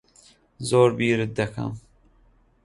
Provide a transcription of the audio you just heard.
زۆر بیرت دەکەم.